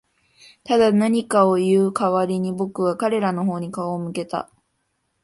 ただ、何かを言う代わりに、僕は彼らの方に顔を向けた。